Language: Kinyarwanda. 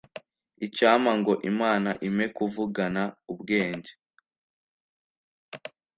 Icyampa ngo Imana impe kuvugana ubwenge,